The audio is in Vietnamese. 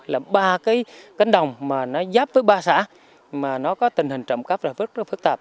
là ba cái cánh đồng mà nó giáp với ba xã mà nó có tình hình trộm cắp là rất là phức tạp